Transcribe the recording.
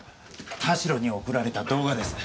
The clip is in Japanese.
田代に送られた動画です。